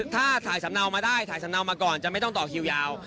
ถ้าถ่ายสำเนามาได้ถ่ายสำเนามาก่อนจะไม่ต้องต่อคิวยาว